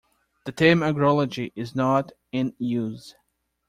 The term agrology is not in use.